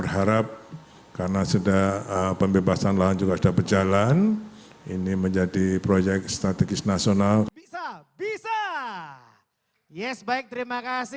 jalan tol probolinggo besuki sepanjang tujuh puluh lima km